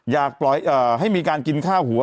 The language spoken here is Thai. อยากให้มีการกินข้าวหัว